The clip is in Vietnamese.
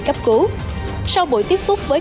cấp cứu sau buổi tiếp xúc với